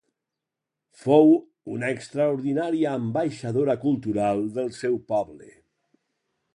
Fou una extraordinària ambaixadora cultural del seu poble.